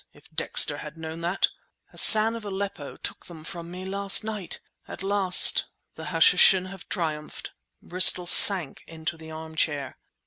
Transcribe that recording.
If Dexter had known that!" "Hassan of Aleppo took them from me last night! At last the Hashishin have triumphed." Bristol sank into the armchair.